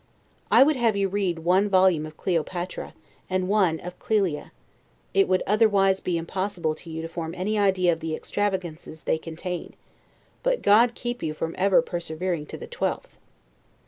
I would have you read one volume of "Cleopatra," and one of "Clelia"; it will otherwise be impossible for you to form any idea of the extravagances they contain; but God keep you from ever persevering to the twelfth.